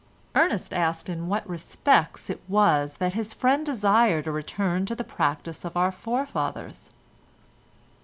Ernest asked in what respects it was that his friend desired a return to the practice of our forefathers.